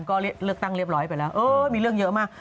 ก็เลือกตั้งเรียบร้อยไปแล้วเออมีเรื่องเยอะมาก